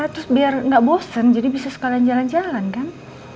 terus biar nggak bosen jadi bisa sekalian jalan jalan kan